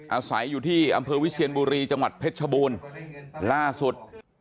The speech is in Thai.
อาศัยอยู่ที่อำเภอวิเชียนบุรีจังหวัดเพชรชบูรณ์ล่าสุด